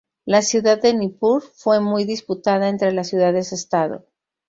La ciudad de Nippur fue muy disputada entre las ciudades-estado.